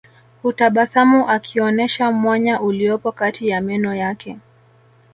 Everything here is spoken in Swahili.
Hutabasamu akionesha mwanya uliopo kati ya meno yake